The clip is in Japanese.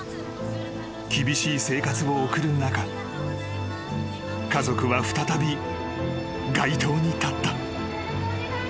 ［厳しい生活を送る中家族は再び街頭に立った］